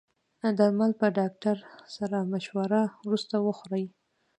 درمل په ډاکټر سره مشوره وروسته وخورئ.